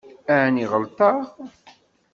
Ɛni ɣelṭeɣ?